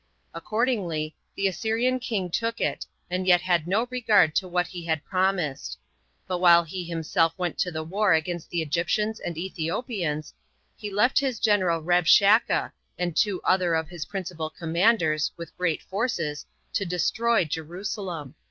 Accordingly, the Assyrian king took it, and yet had no regard to what he had promised; but while he himself went to the war against the Egyptians and Ethiopians, he left his general Rabshakeh, and two other of his principal commanders, with great forces, to destroy Jerusalem.